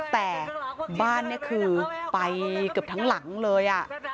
แต่บ้านนี่คือไปเกือบทั้งหลังเลย